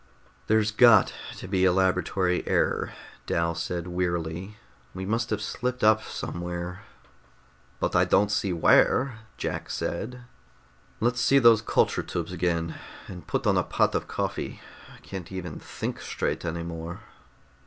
"There's got to be a laboratory error," Dal said wearily. "We must have slipped up somewhere." "But I don't see where," Jack said. "Let's see those culture tubes again. And put on a pot of coffee. I can't even think straight any more."